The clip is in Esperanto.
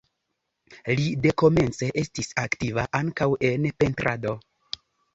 Li dekomence estis aktiva ankaŭ en pentrado.